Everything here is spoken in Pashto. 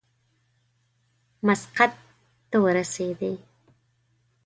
مسقط ته ورسېدی.